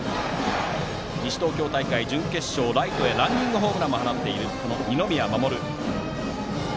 西東京大会、準決勝ライトへランニングホームランも放っています。